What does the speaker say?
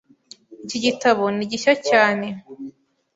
Iki gitabo ni gishya cyane. .